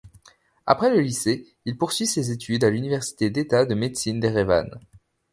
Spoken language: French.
Après le lycée, il poursuit ses études à l'Université d'état de médecine d'Erevan.